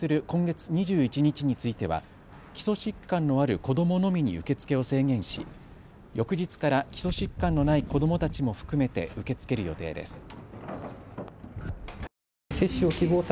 今月２１日については基礎疾患のある子どものみに受け付けを制限し翌日から基礎疾患のない子どもたちも含めて受け付ける予定です。